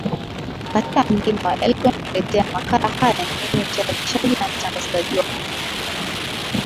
katika mlima wa elgon kuletea makala haya ni mimi mtayarishaji na mtangazaji wako